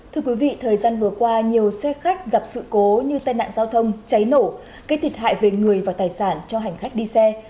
thưa quý vị thời gian vừa qua nhiều xe khách gặp sự cố như tai nạn giao thông cháy nổ gây thiệt hại về người và tài sản cho hành khách đi xe